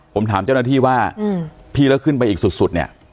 ผมถามเจ้าหน้าที่ว่าพี่แล้วขึ้นไปอีกสุดเนี่ย